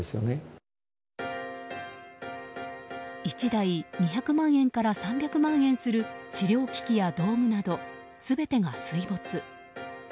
１台２００万円から３００万円する治療機器や道具など全てが水没。